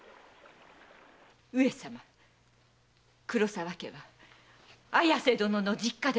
上様黒沢家は綾瀬殿の実家でございます。